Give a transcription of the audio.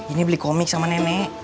ini beli komik sama nenek